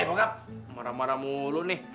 eh maaf marah marah mulu nih